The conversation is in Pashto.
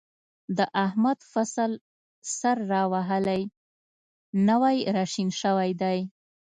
د احمد فصل سر را وهلی، نوی را شین شوی دی.